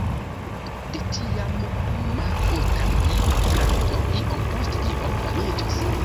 De tiam Maotai-brando iom post iom famiĝis.